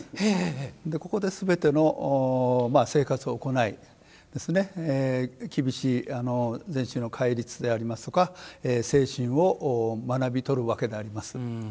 ここですべての生活を行い厳しい禅宗の戒律でありますとか精神を学びとるわけであります。